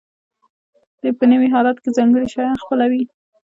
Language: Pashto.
دوی په نوي حالت کې ځانګړي شیان خپلوي.